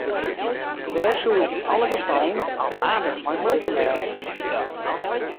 Dêr soe ik yn alle gefallen al aardich mei holpen wêze.